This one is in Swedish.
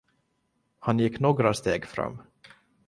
Han gick några steg fram.